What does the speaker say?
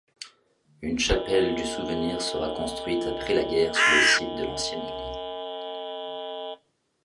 Une chapelle du souvenir sera construite après guerre sur le site de l'ancienne église.